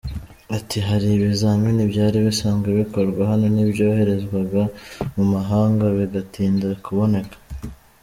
Ati “Hari ibizamini byari bisanzwe bikorwa hano n’ibyoherezwaga mu mahanga bigatinda kuboneka.